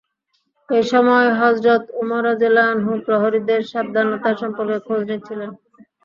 এ সময় হযরত ওমর রাযিয়াল্লাহু আনহু প্রহরীদের সাবধানতা সম্পর্কে খোঁজ নিচ্ছিলেন।